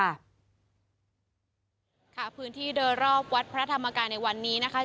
ค่ะพื้นที่โดยรอบวัดพระธรรมกายในวันนี้นะคะ